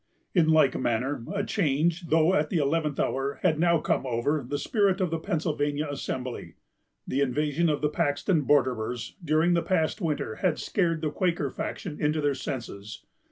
In like manner, a change, though at the eleventh hour, had now come over the spirit of the Pennsylvania Assembly. The invasion of the Paxton borderers, during the past winter, had scared the Quaker faction into their senses.